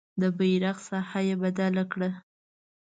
د بیرغ ساحه یې بدله کړه.